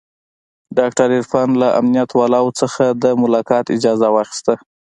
ډاکتر عرفان له امنيت والاو څخه د ملاقات اجازه واخيسته.